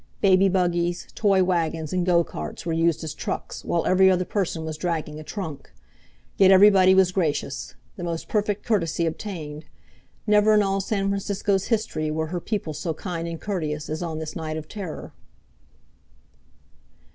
Baby buggies, toy wagons, and go carts were used as trucks, while every other person was dragging a trunk. Yet everybody was gracious. The most perfect courtesy obtained. Never in all San Francisco's history, were her people so kind and courteous as on this night of terror.